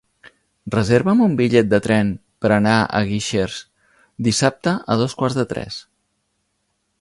Reserva'm un bitllet de tren per anar a Guixers dissabte a dos quarts de tres.